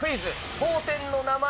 当店の名前！